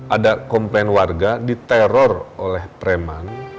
ada komplain warga diteror oleh preman